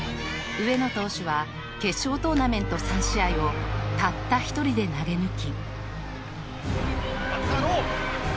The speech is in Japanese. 上野投手は決勝トーナメント３試合をたった１人で投げ抜き